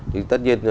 thì tất nhiên